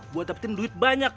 buat dapetin duit banyak